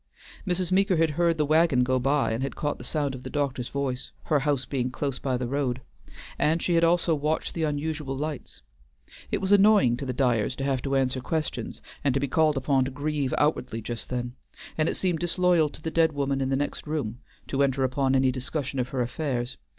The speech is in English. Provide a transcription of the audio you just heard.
Mrs. Meeker had heard the wagon go by and had caught the sound of the doctor's voice, her house being close by the road, and she had also watched the unusual lights. It was annoying to the Dyers to have to answer questions, and to be called upon to grieve outwardly just then, and it seemed disloyal to the dead woman in the next room to enter upon any discussion of her affairs.